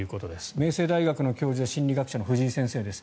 明星大学の教授、心理学者の藤井さんです。